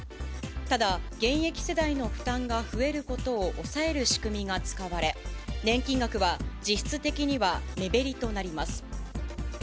ただ、現役世代の負担が増えることを抑える仕組みが使われ、年金額は実質的には目減りとなります。